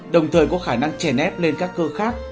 đồng thời có khả năng chè nép lên các cơ khác